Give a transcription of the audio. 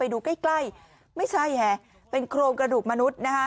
ไปดูใกล้ไม่ใช่แห่่เป็นโครงกระดูกมนุษย์